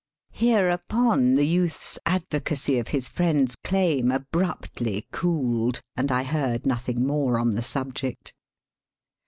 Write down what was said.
Hereupon the youth's advocacy of his friend's claim abruptly cooled, and I heard nothing more on the subject.